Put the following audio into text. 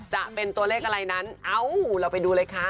จะเป็นตัวเลขอะไรนั้นเอ้าเราไปดูเลยค่ะ